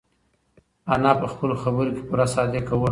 انا په خپلو خبرو کې پوره صادقه وه.